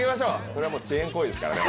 それはもう遅延行為ですからね。